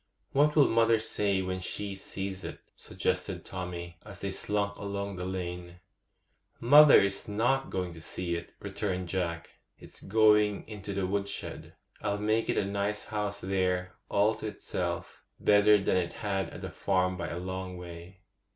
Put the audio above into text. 'What will mother say when she sees it?' suggested Tommy, as they slunk along the lane. 'Mother is not going to see it,' returned Jack; 'it's going into the wood shed. I'll make it a nice house there, all to itself—better than it had at the farm by a long way.